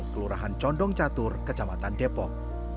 kelurahan condong catur kecamatan depok